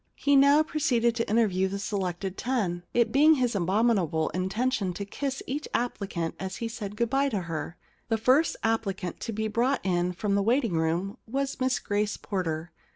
He now proceeded to interview the selected ten, it being his abominable intention to kiss each applicant as he said good bye to her. The first applicant to be brought in from the waiting room was Miss Grace Porter.